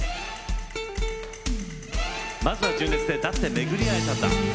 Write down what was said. まずは純烈で「だってめぐり逢えたんだ」。